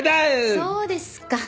そうですか。